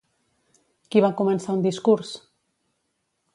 Qui va començar un discurs?